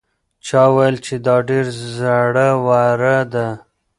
چا وویل چې دا ډېره زړه وره ده؟